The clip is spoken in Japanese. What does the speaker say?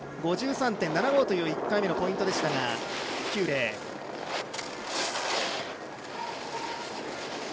５３．７５という１回目のポイントでした邱冷です。